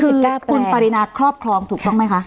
คือคุณปรินาครอบครองถูกต้องไหมคะ